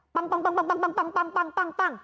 ปัง